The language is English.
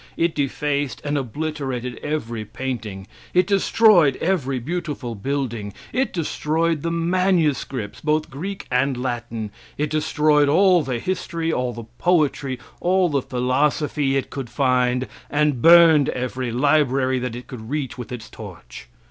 It defaced and obliterated every painting; it destroyed every beautiful building; it destroyed the manuscripts, both Greek and Latin; it destroyed all the history, all the poetry, all the philosophy it could find, and burned every library that it could reach with its torch.